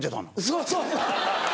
そうそう。